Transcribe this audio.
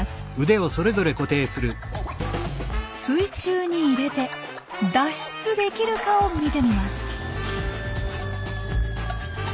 水中に入れて脱出できるかを見てみます。